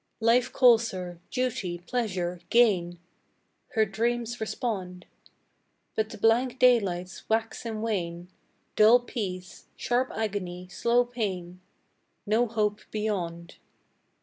Life calls her, Duty, Pleasure, Gain Her dreams respond; But the blank daylights wax and wane, Dull peace, sharp agony, slow pain No hope beyond.